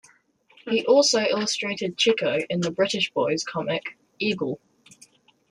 He also illustrated "Chicko" in the British boys' comic "Eagle".